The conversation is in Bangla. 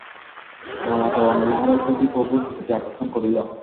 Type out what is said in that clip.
বামাচরণ ইহারই প্রতি প্রভুর দৃষ্টি আকর্ষণ করিল।